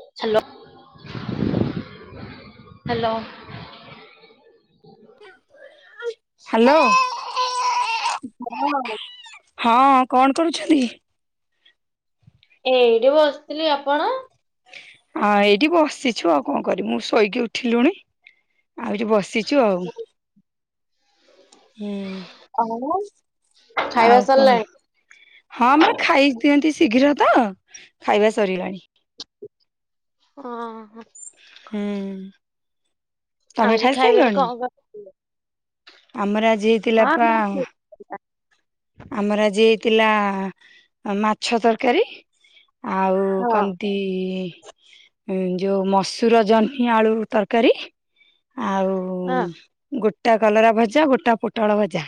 Hello hello [unintelligible] hello [unintelligible] ହଁ, କଣ କରୁଚନ୍ତି? ଏଇଠି ବସିଥିଲି ଆପଣ? ଆଁ ଏଇଠି ବସିଛୁ, ଆଉ କଣ କରିିବୁ, ମୁଁ ଶୋଇକି ଉଠିଲୁଣି। ଆଉ ଏଠି ବସିଛୁ ଆଉ। ହୁଁ। ଆଉ ଖାଇବା ଆଉ କଣ ସରିଲାଣି? ହଁ ଆମର ଖାଇ ଦିଅନ୍ତି ଶୀଘ୍ର ତ ଖାଇ ହଁ। ହୁଁ ତମେ ଆଜି ଖାଇବାରେ ଖାଇସାରିଲଣି? କଣ କରିଥିଲେ? ଆମର ଆଜି ହେଇଥିଲା ହଁ ପା ଆମର ଆଜି ହେଇଥିଲା ମାଛ ତରକାରୀ ଆଉ କନ୍ତି ଯୋଉ ମସୁର ଜହ୍ନି ଆଳୁ ତରକାରୀ ଆଉ ହଁ। ଗୋଟା କଲରା ଭଜା ଗୋଟା ପୋଟଳ ଭଜା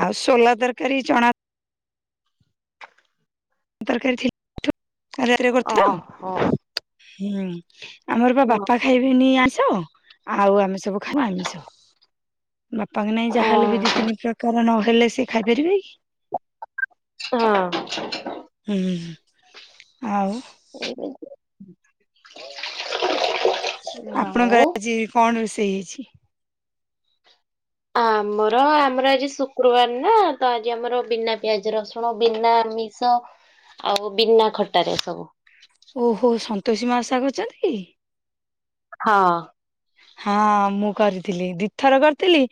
ଆଉ ସୋଲା ତର କରିି ଚଣା ତରକାରୀ କାଲି ରାତିରେ କରିଥିଲ ହଁ ହୁଁ। ଆମର ବା ହଁ ବାପା ଖାଇବେନି ଆଇଁଶ ଆଉ ଆମେ ସବୁ ଖାଇବୁ ଆମିଷ। ବାପାଙ୍କ ନାଇଁ ଯାହାହଲେ ବି ଦି ଓହୋ ତିନି ପ୍ରକାର ନହେଲେ ସେ, ଖାଇପାରିବେ କି? ହଁ। ହୁଁ ଆଉ। ହଁ ଆଉ ଆପଣଙ୍କର ଆଜି କଣ ରୋଷେଇ ହେଇଛି। ଆମର ଆମର ଆଜି ଶୁକ୍ରବାର ନା ତ ଆଜି ଆମର ବିନା ପିଆଜ ରସୁଣ ବିନା ମିଷ ଆଉ ବିନା ଖଟାରେ ସବୁ। ଓହୋ ସନ୍ତୋଷୀ ମା ଓଷା କରିଚନ୍ତି କି? ହଁ। ହଁ ମୁଁ କରିଥିଲି ଦିଥର କରିଥିଲି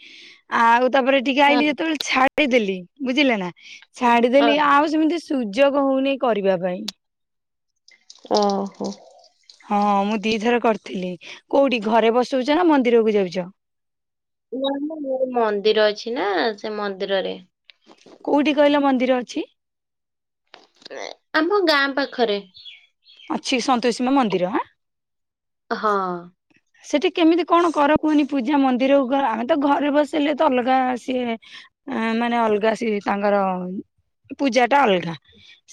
ଆଉ ତାପରେ ଏଠିକି ଆଇିଲି ଯେତେବେଳେ ଛାଡିଦେଲି ବୁଝିଲେ ନା। ଛାଡିଦେଲି ଆଉ ସିମିତି ସୁଯୋଗ ହଉନି କରିବା ପାଇଁ। ଓ ହୋ। ହଁ ମୁଁ ଦିଥର କରିଥିଲି। କୋଉଠି ଘରେ ବସଉଚ ନା ମନ୍ଦିରକୁ ଯାଉଚ? ନା ନା ମୋର ମନ୍ଦିର ଅଛି ନା ସେ ମନ୍ଦିରରେ। କୋଉଠି କହିଲ ମନ୍ଦିର ଅଛି? ଆମ ଗାଁ ପାଖରେ। ଅଛି ସନ୍ତୋଷୀମା ମନ୍ଦିର ହଁ। ହଁ। ସେଠି କେମିତି କଣ କର କୁହନି ପୂଜା। ମନ୍ଦିରକୁ ଆମେ ତ ଘରେ ବସେଇଲେ ତ ଅଲଗା ସିଏ। ଏଁ ମାନେ ଅଲଗା ସେ ତାଙ୍କର ପୂଜା ଟା ଅଲଗା।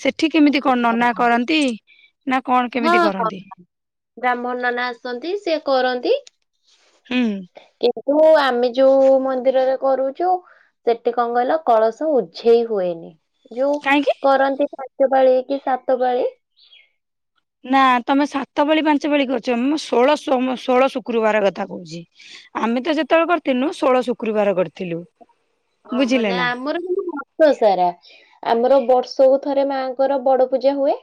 ସେଠି କିମିତି କଣ ହଉ। ନନା କରନ୍ତି ନା କଣ ହଁ କେମିତି ହଁ କରନ୍ତି? ବ୍ରାହ୍ମଣ ନନା ଆସନ୍ତି ସେ କରନ୍ ହୁଁ। ଓ ଆମେ ଯୋଉ ମନ୍ଦିରରେ କରୁଚୁ ସେଠି କଣ କହିଲ କଳସୁ ଉଝେଇ ହୁଏନି। ଯୋଉ କାହିଁକି କରନ୍ତି ପାଞ୍ଚ ପାଳି କି ସାତ ପାଳି। ନା ତମେ ସାତ ପାଳି ପାଞ୍ଚ ପାଳି କରିଚ ମୁଁ ଷୋଳ ସୋମ ଷୋଳ ଶୁକ୍ରୁବାର କଥା କହୁଚି। ଆ ଆମେ ତ ଯେତେବେଳେ କରିଥିଲୁ ଷୋହଳ ଶୁକ୍ରବାର କରିଥିଲୁ। ଓହୋ ବୁଝିଲେ ନାଇଁ ନା ଆମର କିନ୍ତୁ ବର୍ଷ ସାରା ଆମର ବର୍ଷକୁ ଥରେ ମାଆଙ୍କର ବଡ ପୂଜା ହୁଏ।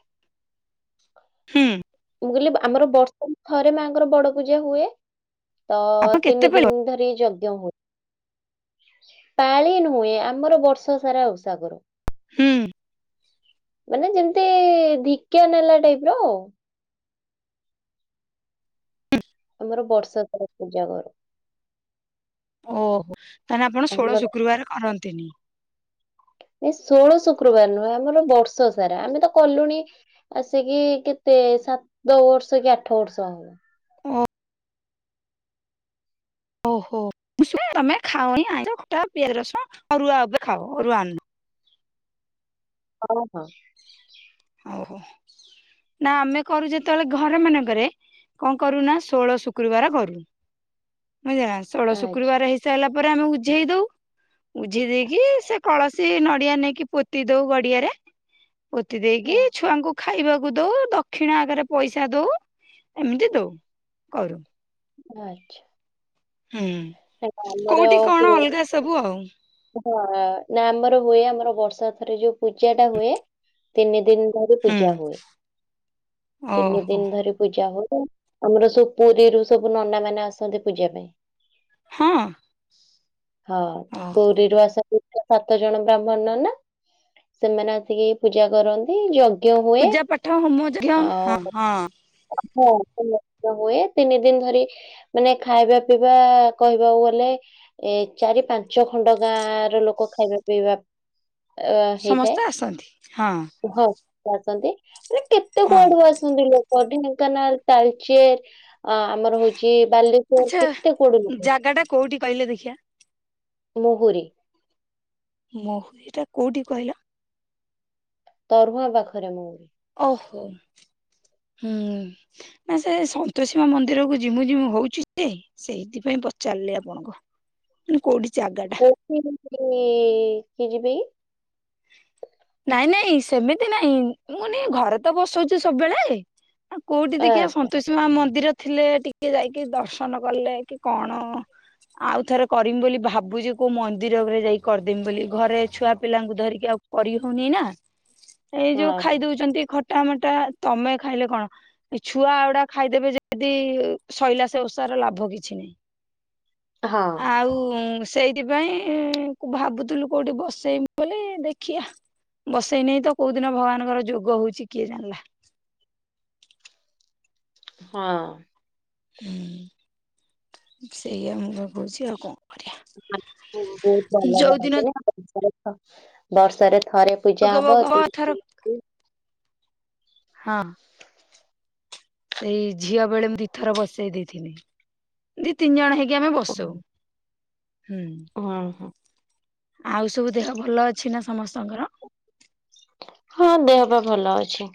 ହୁଁ। କହିଲ ଆମର ବର୍ଷକୁ ଥରେ ମାଆଙ୍କର ବଡ ପୂଜା ହୁଏ। ତ ଆପଣ କେତେ ତିନି ପାଳି ଦିନ ଧରି ଯଜ୍ଞ ହୁଏ। ପାଳି ନୁହେଁ ଆମର ବର୍ଷ ସାରା ଉସା କରୁ। ହୁଁ। ମାନେ ଯେମିତି ଧିକଆ ନେଲା ଟାଇପ ର ଆଉ। ଆମର ବର୍ଷା ତର ପୂଜା କରୁ। ଓହୋ ତାହେଲେ ଆପଣ ଷୋହଳ ଆମର ଶୁକ୍ରବାର କରନ୍ତିନି। ନାହିଁ, ଷୋଳ ଶୁକ୍ରବାର ନୁହେଁ ଆମର ବର୍ଷ ସାରା। ଆମେ ତ କଲୁଣି ଆସିକି କେତେ ସେ ସାତ ବର୍ଷ କି ଆଠ ବର୍ଷ ହବ। [inaudible] ଓ ଓହୋ ବୁଝ ତମେ ଖାଅି ଆଟା ପିଆଜ ରସ ଅରୁଆ ଉପରେ ଖାଅ ଅରୁଆ ଅନ୍ନ। ଓ ହୋ। ଓହୋ ନା ଆମେ କରୁ ଯେତେବେଳେ ଘର ମାନଙ୍କରେ କଣ କରୁନା ଷୋହଳ ଶୁକ୍ରବାର କରୁ। ବୁଝିଲା ନା ଷୋହଳ ଆଚ୍ଛା ଶୁକ୍ରବାର ହେଇ ସାରିଲା ପରେ ଆମେ ଉଝେଇ ଦଉ। ଉଝେଇ ଦେଇକି ସେ କଳସୀ ନ ଡିଆ ନେଇକି ପୋତି ଦଉ ଗଡିଆରେ। ପୋତି ହ ଦେଇକି ଛୁଆଙ୍କୁ ଖାଇବାକୁ ଦଉ ଦକ୍ଷିଣ ଆଗରେ ପଇସା ଦଉ ଏମିତି ଦଉ କରୁ। ଆଚ୍ଛା। ନାଇଁ, ହୁଁ ଆମର କୋଉଠି କଣ ହୁଏ ଅଲଗା ସବୁ ଆଉ। ହଁ ନା ଆମର ହୁଏ ଆମର ବର୍ଷକୁ ଥରେ ଯୋଉ ପୂଜା ଟା ହୁଏ ତିନି ଦିନ। ଦିନ ଧରି ହୁଁ ପୂଜା ହୁଏ ତିନି ଓହୋ ଦିନ ଧରି ପୂଜା ହୁଏ। ଆମର ସବୁ ପୁରୀରୁ ସବୁ ନନା ମାନେ ଆସନ୍ତି ପୂଜା ପାଇଁ ହଁ। ହଁ। ଓହୋ ପୁରୀରୁ ଆସ ସାତ ଜଣ ବ୍ରାହ୍ମଣ ନନା, ସେମାନେ ଆସିକି ପୂଜା କରନ୍ତି। ଯଜ୍ଞ ହୁଏ। ପୂଜା ପାଠ ହୋମ ଚାଲ ଆଉ ହଁ ହଁ। ହଁ [unintelligible] ହୁଏ ତିନି ଦିନ ଧରି ମାନେ ଖାଇବା ପିଇବା କହିବାକୁ ଗଲେ ଏ ଚାରି ପାଞ୍ଚ ଖଣ୍ଡ ଗାଁ ର ଲୋକ ଖାଇବା ପିଇବା ଅ ହେଇଥାଏ। ସମସ୍ତେ ଆସନ୍ତି ହଁ କୁହ? ଆସନ୍ତି। କେତେ ହଁ କୁଆଡୁ ଆସନ୍ତି ଲୋକ ଢେଙ୍କାନାଳ ତାଲଚେର ଅ ଆମର ହଉଚି ବାଲେଶ୍ଵର ଆଚ୍ଛା କେତେ କୋଡୁ ଲୋକ ଜାଗା ଟା କୋଉଠି କହିଲେ ଦେଖିବା? ମହୁରୀ ମହୁରୀ ଏଟା କୋଉଠି କହିଲ? ତରୁଆ ପାଖରେ ମଉରି। ଓହୋ। ହୁଁ ନା ସେ ସନ୍ତୋଷୀ ମା ମନ୍ଦିର କ ଜିମୁ ଜିମୁ ହଉଚି ଯେ ସେଇଥିପାଇଁ ପଚାରିଲି ଆପଣଙ୍କୁ କୋଉଠି? ଜାଗା ଟା କୋଉଁଠି କି ଯିବେ କି? ନାଇଁ ନାଇଁ ସେମିତି ନାଇଁ ମୁଁନ ଘରେ ତ ବସଉଚି ସବୁବେଳେ ଆଉ କୋଉଠି ଦେଖିବା ଆଚ୍ଛା ସନ୍ତୋଷୀ ମା ମନ୍ଦିର ଥିଲେ ଟିକେ ଯାଇକି ଦର୍ଶନ କଲେ କି କଣ ଆଉ ଥର କରିମି ବୋଲି ଭାବୁଚି କୋଉ ମନ୍ଦିରରେ ଯାଇ କରିଦେମି ବୋଲି ଘରେ ଛୁଆ ପିଲାଙ୍କୁ ଧରିକି ଆଉ କରି ହଉନି ନା ଏଇ ଯୋଉ ହଁ ଖାଇଦଉଚନ୍ତି ଖ ଟା ମଟା ତମେ ଖାଇଲେ କଣ ଏ ଛୁଆ ଆଉୁଡା ଖାଇଦେବେ ଯଦି ଶଇଲା ସେ ଓଷା ଲାଭ କିଛି ନାଁଇ। ହଁ ଆଉ ସେଇଥିପାଇଁ ଭାବୁଥିଲୁ କୋଉଠି ବସେଇମୁ ବୋଲି ଦେଖ ଖିଆ ବସେଇ ନେଇ ତ କୋଉ ଦିନ ଭଗବାନଙ୍କର ଯୋଗ ହଉଛି କିଏ ଜାଣିଲା ହଁ। ହୁଁ ସେଇଆ ମୁଁ ତ କହୁଛି ଆଉ କଣ କରିବା [unintelligible] ଯୋଉ ଦିନ ବର୍ଷରେ ଥରେ ପୂଜା ଯୋଗ ହବ ଭୋଗ ଏଥର [unintelligible] ହଁ। ସେଇ ଝିଅ ବେଳେ ମୁଁ ଦିଇଥର ବସେଇ ଦେଇଥିଲି, ଦି ତିନି ଜଣ ହେଇକି ଆମେ ବସଉ ହୁଁ। ଓଁ ହୋ। ଆଉ ସବୁ ଦେହ ଭଲ ଅଛି ନା ସମସ୍ତଙ୍କର? ହଁ ଦେହ ପା ଭଲ ଅଛି।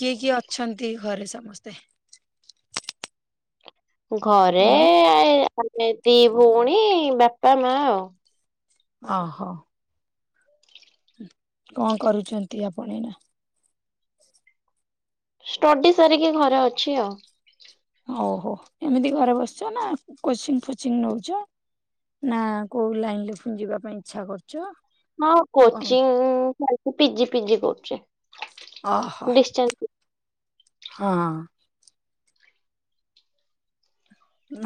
କିଏ କିଏ ଅଛନ୍ତି ଘରେ ସମସ୍ତେ? ଘରେ ହ୍ୟାଲୋ ଆମେ ଦି ଭଉଣୀ ବାପା ମା ଆଉ। ଓ ହୋ। କଣ କରୁଛନ୍ତି ଆପଣ ଏଇନା? ଷ୍ଟଡି ସାରିକି ଘରେ ଅଛି ଆଉ। ହଉ ହୋ ଏମିତି ଘରେ ବସିଛ ନା କୋଚିଂ ଫୋଚିଂ ନଉଛ? ନା କୋଉ ଲାଇନରେ ପୁଣି ଯିବା ପାଇଁ ଇଚ୍ଛା କରୁଛ? ହଁ କଣ? କୋଚିଂ ଚାଲିଛି ପି ଜି ପି ଜି କରୁଛି। ଓ ହୋ ଡିଷ୍ଟାନ୍ସ ହଁ।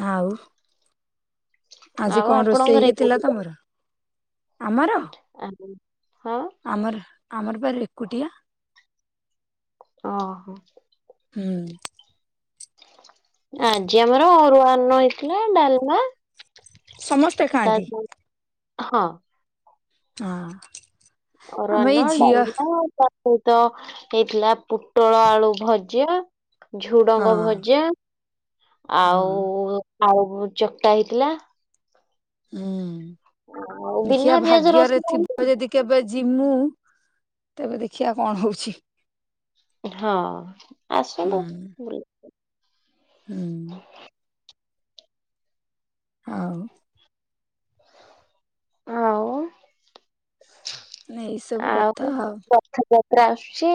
ଆଉ। ଆଜି ଆଉ କଣ ଆପଣଙ୍କ ରୋଷେଇ ଘରେ ହେଇଥିଲା ତମର? ଆମର ଆ ଆମର, ଆମର ବା ଏକୁଟିଆ। ଓ ହୋ। ହୁଁ। ଆଜି ଆମର ଅରୁଆ ଅନ୍ନ ହେଇଥିଲା, ଡାଲମା ସମସ୍ତେ ତା ଖାଆନ୍ତି। ହଁ। ହଁ। ଅରୁଆ ଆମ ଅନ୍ନ, ଏଇ ଝିଅ ଡାଲମା ତା ସହିତ ହେଇଥିଲା ପୋଟଳ ଆଳୁ ଭଜା। ହଁ ଝୁଡଙ୍ଗ ଭଜା, ହଁ ଆଉ ଆଉ ଚକଟା ହେଇଥିଲା। ଆଉ ହୁଁ। ବିନା ଦେଖିଆ, ପିଆଜ ଭାଗ୍ୟରେ ରସୁଣ ଥିବ ଆଣିଲେ। ଯଦି କେବେ ଯି ଯିମୁ। ତେବେ ଦେଖିବା କଣ ହଉଛି। ହଁ ହୁଁ ଆସୁନ ବୁଲି ହୁଁ। ଆଉ। ଆଉ। ଏଇ ସବୁ କଥା ଆଉ। ଆସୁଛି।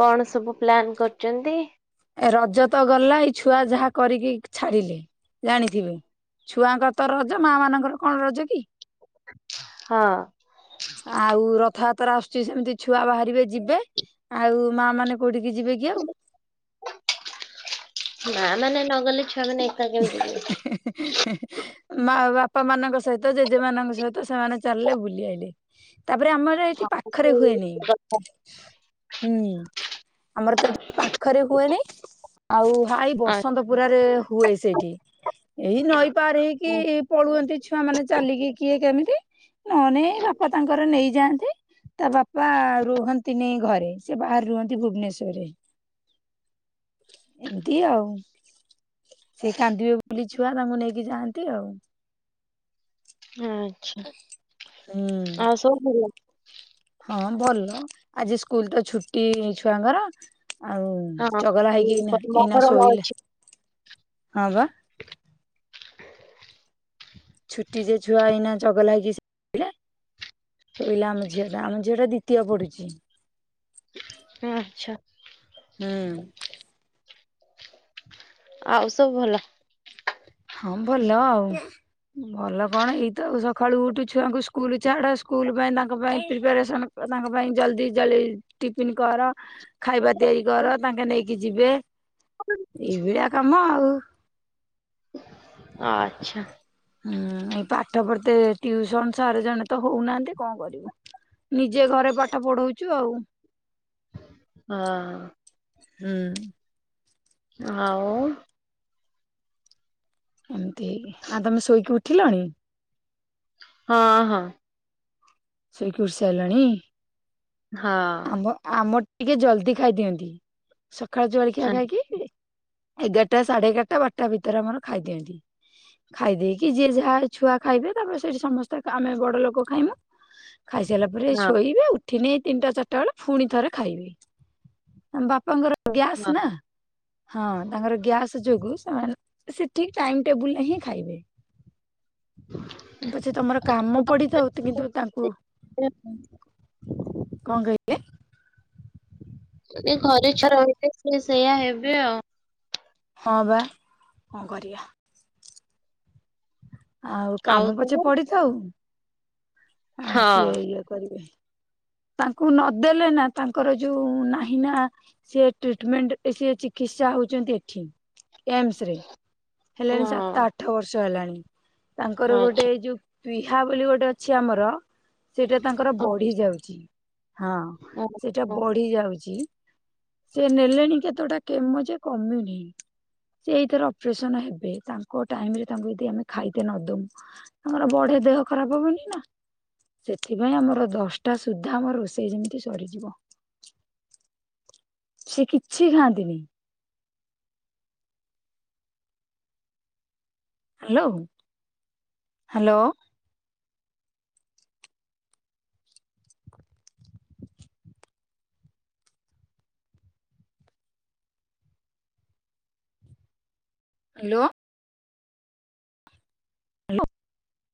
କଣ ସବୁ ପ୍ଲାନ କରୁଛନ୍ତି? ରଜ ତ ଗଲା। ଏଇ ଛୁଆ ଯାହା କରିକି ଛାଡ଼ିଲେ, ଜାଣିଥିବେ। ଛୁଆଙ୍କର ତ ରଜ, ମା ମାନଙ୍କର କଣ ରଜ କି? ହଁ। ଆଉ ରଥଯାତ୍ରା ଆସୁଛି, ସେମିତି ଛୁଆ ବାହାରିବେ ଯିବେ। ଆଉ ମା ମାନେ କୋଉଠିକି ଯିବେ କି ଆଉ? ମା ମାନେ ନଗଲେ ଛୁଆ ମାନେ ଏକା କେମିତି ଯିବେ? ମା ବା ପା ମାନଙ୍କ ସହିତ ଜେଜେ ମାନଙ୍କ ସହିତ ସେମାନେ ଚାଲିଲେ ବୁଲି ଆଇଲେ। ତାପରେ ଆମର ଏଠି ପାଖରେ ହୁଏନି। ହୁଁ ଆମର ତ ଏଠି ପାଖରେ ହୁଏନି। ଆଉ ହାଇ ଆ ବସନ୍ତ ପୁରାରେ ହୁଏ ସେଇଠି ଏଇ ନଈ ପାରେ ହେଇକି ପଳୁଅନ୍ତି ଛୁଆ ମାନେ ଚାଲିକି କିଏ କେମି ନନେ ଏ ବାପା ତାଙ୍କର ନେଇଯାଆନ୍ତି। ତା ବାପା ରୁହନ୍ତିନି ଘରେ। ସେ ବାହାରେ ରୁହନ୍ତି ଭୁବନେଶ୍ଵରରେ ଏମିତି ଆଉ। ସେ କାନ୍ଦିବେ ବୋଲି ଛୁଆ ତାଙ୍କୁ ନେଇକି ଯାଆନ୍ତି ଆଉ। ଆଛା ହୁଁ। ଆଉ ସବୁ ଭଲ। ହଁ ଭଲ ଆଜି ସ୍କୁଲ ତ ଛୁଟି ଛୁଆଙ୍କର। ଆଉ ହଁ। ଚଗଲା ହେଇକି ଏଇନା ଏଇନା ମହରମ ଶୋଇଲା। ଅଛି ହଁ ବା। ଛୁଟି ଯେ ଛୁଆ ଏଇନା ଚଗଲା ହେଇକି ଶୋଇଲା। ଶୋଇଲା ଆମ ଝିଅ ଟା ଆମ ଝିଅ ଟା ଦ୍ଵିତୀୟ ପଡୁଛି। ଆଚ୍ଛା ହୁଁ। ଆଉ ସବୁ ଭଲ। ହଁ ଭଲ ଆଉ। ଭଲ କଣ ଏଇତ ସଖାଳୁ ଉଠୁ ଛୁଆଙ୍କୁ ସ୍କୁଲ ଛାଡ ସ୍କୁଲ ପାଇଁ ତାଙ୍କ ପାଇଁ ପ୍ରିପାରେସନ ତାଙ୍କ ପାଇଁ ଜଲଦି ଜଳେଇ ଟିପିନ କର। ଖାଇବା ତିଆରି କର ତାଙ୍କେ ନେଇକି ଯିବେ ଏଇଭଳିଆ କାମ ଆଉ। ଆଚ୍ଛା। ହୁଁ ଏଇ ପାଠ ପଢ଼ିତେ ଟିଉସନ୍ ସାର ଜଣେ ତ ହଉନାହାନ୍ତି। କଣ କରିବୁ? ନିଜେ ଘରେ ପାଠ ପଢଉଚୁ ଆଉ। ହଁ। ହୁଁ। ଆଉ ଏମିତି ହେଇକି ଆ ତମେ ଶୋଇକି ଉଠିଲଣି? ହଁ ହଁ। ଶୋଇକି ଉଠିସାରିଲଣି ହଁ ଆମ-ଆମ ଟିକେ ଜଲଦି ଖାଇଦିଅନ୍ତି ସଖାଳେ ଜଳଖିଆ ଖାଇକି ଏଗାରଟା ସାଢେ ଏଗାରଟା ବାରଟା ଭିତରେ ଆମର ଖାଇ ଦିଅନ୍ତି। ଖାଇ ଦେଇକି ଯିଏ ଯାହା ଛୁଆ ଖାଇବେ ତାପରେ ସେଇଠି ସମସ୍ତେ ଆମେ ବଡ ଲୋକ ଖାଇମୁ। ଖାଇସାରିଲା ପରେ ହଁ। ଶୋଇବି ଆଉ। ଠନେ ଏଇ ତିନିଟା ଚାରିଟା ବେଳେ ଫୁଣି ଥରେ ଖାଇବି ଆମ୍ ବାପାଙ୍କର ଗ୍ୟାସ୍ ନା ହଁ। ହଁ ତାଙ୍କର ଗ୍ୟାସ୍ ଯୋଗୁ। ସେ ଠିକ ଟାଇମ୍ ଟେବୁଲରେ ହିଁ ଖାଇବେ। ପଛେ ତମର କାମ ପଡିଥାଉ ତ କିନ୍ତୁ ତାଙ୍କୁ [unintelligible] କଣ କଇଲେ? ଘରେ ଛୁଆ ରହିଲେ ସେ ସେଇୟା ହେବେ ଆଉ। ହଁ ବା କଣ କରିବା। ଆଉ କାମ ପଛେ ପଡିଥାଉ। ଆଉ ସିଏ ହଁ। ଇଏ କରିବେ। ତାଙ୍କୁ ନଦେଲେ ନା ତାଙ୍କର ଯୋଉ ନାହିଁ ନା ସିଏ ଟ୍ରିଟମେଣ୍ଟ ସିଏ ଚିକି ତ୍ସା ହେଉଚନ୍ତି ଏଠି ଏମସେରେ। ହେଲାଣି ସାତ ହଁ ଆଠ ବର୍ଷ ହେଲାଣି ତାଙ୍କର ଗୋଟେ ଆଚ୍ଛା। ଯୋଉ ପିହା ବୋଲି ଗୋଟେ ଅଛି ଆମର ସେଇଟା ତାଙ୍କର ବଢି ଯାଉଚି। ହଁ ସେଟା ବଢି ଯାଉଚି। ସେ ନେଲେଣି କେତୋଟା କେମୋ ଯେ କମୁନେହିଁ ସିଏ ଏଇଥର ଅପ୍ରେସନ ହେବେ ତାଙ୍କ ଟାଇମ୍ ରେ ତାଙ୍କୁ ଯଦି ଆମେ ଖାଇତେ ନ ଦମୁଁ ତାଙ୍କର ବଢେ ଦେହ ଖରାପ ହବନି? ନା ସେଥିପାଇଁ ଆମର ଦଶଟା ସୁଦ୍ଧା ଆମର ରୋଷେଇ ଯେମିତି ସରିଯିବ। ସେ କିଛି ଖାଆନ୍ତିନି। Hello hello. ହ୍ୟାଲୋ। ହ୍ୟାଲୋ।